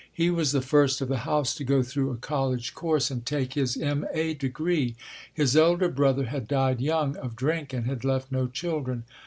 He was the first of the house to go through a college course and take his M.A. degree. His elder brother had died young, of drink, and had left no children.